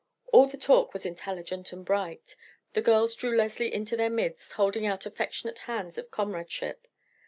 All the talk was intelligent and bright. The girls drew Leslie into their midst, holding out affectionate hands of comradeship.